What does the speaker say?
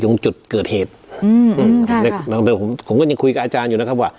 ตรงจุดเกิดเหตุอืมค่ะแต่ผมผมก็ยังคุยกับอาจารย์อยู่นะครับว่า